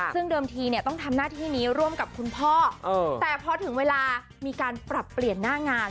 ซึ่งเดิมทีเนี่ยต้องทำหน้าที่นี้ร่วมกับคุณพ่อแต่พอถึงเวลามีการปรับเปลี่ยนหน้างาน